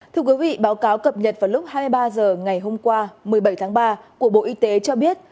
thưa quý vị báo cáo cập nhật vào lúc hai mươi ba h ngày hôm qua một mươi bảy tháng ba của bộ y tế cho biết